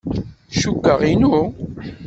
Cukkeɣ inu.